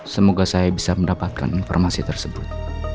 semoga saya bisa mendapatkan informasi tersebut